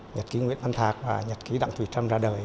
nhật ký nguyễn văn thạc và nhật ký đặng thùy trâm ra đời